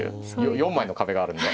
４枚の壁があるんで。